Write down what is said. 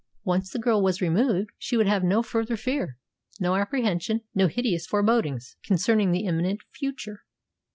Once the girl was removed, she would have no further fear, no apprehension, no hideous forebodings concerning the imminent future.